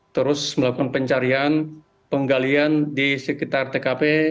terus melakukan pencarian penggalian di sekitar tkp